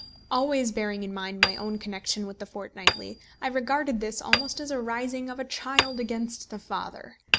Always bearing in mind my own connection with The Fortnightly, I regarded this almost as a rising of a child against the father.